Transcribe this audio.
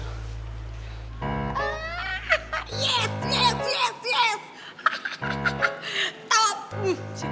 lepas dia anak kecil